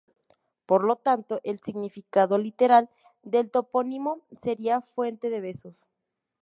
Por lo tanto, el significado literal del topónimo sería "Fuente de Besos".